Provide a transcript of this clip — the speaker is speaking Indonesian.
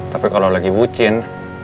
tapi kalau lagi bucin